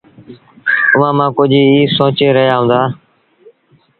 اُئآݩٚ مآݩٚ ڪجھ ايٚ سوچي رهيآ هُݩدآ تا